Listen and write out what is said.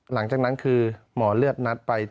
หลังจากนั้นคือหมอเลือดนัดไป